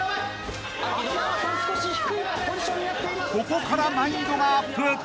［ここから難易度がアップ］